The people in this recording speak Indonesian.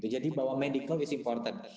jadi bahwa medical is important